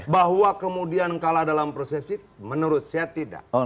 bahwa kemudian kalah dalam persepsi menurut saya tidak